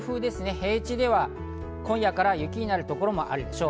平地では今夜から雪になるところもあるでしょう。